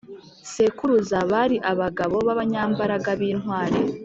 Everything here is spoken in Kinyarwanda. sekuruza bari abagabo b abanyambaraga b intwari